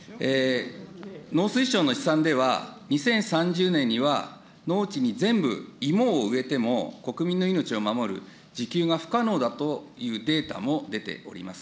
農水省の試算では、２０３０年には、農地に全部、芋を植えても、国民の命を守る自給が不可能だというデータも出ております。